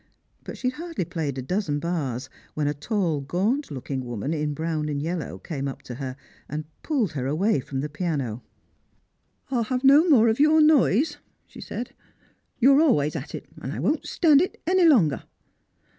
But she had hardly j^layed a dozen bars when a tall gaunt looking woman, in brown and yellow, came up to her and pulled her away from the piano. " I'll have no more of your noise," she said ;" you're always at it, and I won't stand it any longer."